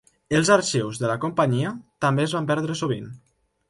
Els arxius de la companyia també es van perdre sovint.